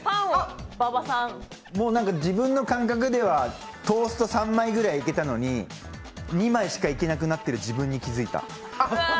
自分の感覚ではトースト３枚ぐらいいけたのに２枚しかいけなくなっている自分に気づいた。